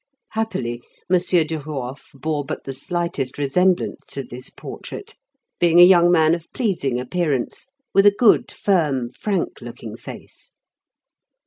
Happily M. Duruof bore but the slightest resemblance to this portrait, being a young man of pleasing appearance, with a good, firm, frank looking face.